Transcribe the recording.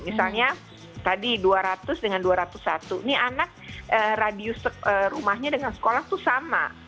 misalnya tadi dua ratus dengan dua ratus satu ini anak radius rumahnya dengan sekolah itu sama